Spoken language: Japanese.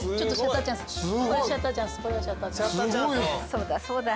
そうだそうだ。